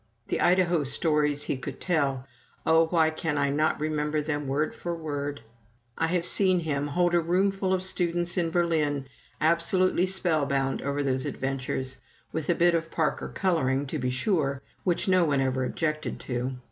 The Idaho stories he could tell oh, why can I not remember them word for word? I have seen him hold a roomful of students in Berlin absolutely spellbound over those adventures with a bit of Parker coloring, to be sure, which no one ever objected to.